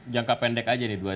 jangka pendek aja nih